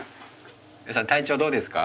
体調どうですか？